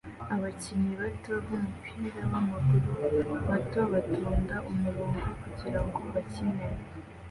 Abakinnyi bato b'umupira wamaguru bato batonda umurongo kugirango bakine